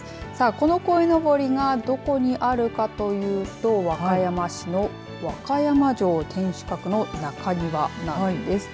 このこいのぼりがどこにあるかというと和歌山市の和歌山城天守閣の中庭なんです。